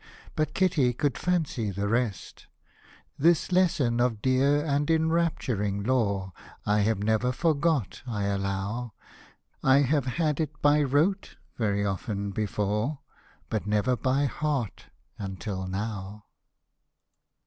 But Kitty could fancy the rest. This lesson of dear and enrapturing lore I have never forgot, I allow : 1 have had it by rote very often before, But never by heart until now.